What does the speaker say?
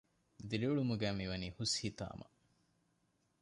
ދިރިއުޅުމުގަ މިވަނީ ހުސްހިތާމަ